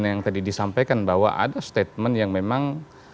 yang tadi disampaikan bahwa ada statement yang memang